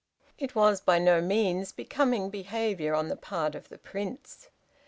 It was, by no means, becoming behavior on the part of the Prince.